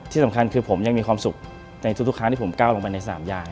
ที่สำคัญคือผมยังมีความสุขในทุกครั้งที่ผมก้าวลงไปในสนามยาง